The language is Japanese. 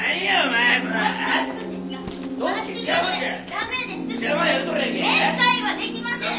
面会はできません！